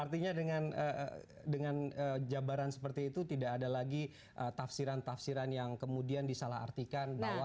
artinya dengan jabaran seperti itu tidak ada lagi tafsiran tafsiran yang kemudian disalah artikan bahwa